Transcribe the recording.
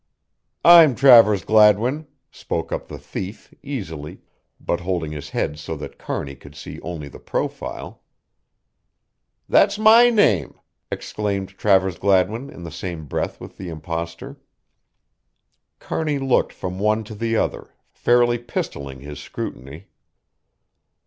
"I'm Travers Gladwin," spoke up the thief, easily, but holding his head so that Kearney could see only the profile. "That's my name!" exclaimed Travers Gladwin in the same breath with the impostor. Kearney looked from one to the other, fairly pistolling his scrutiny.